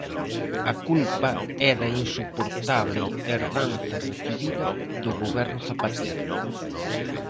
A culpa é da insoportable herdanza recibida do Goberno Zapatero.